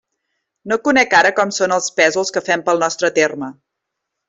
No conec ara com són els pésols que fem pel nostre terme.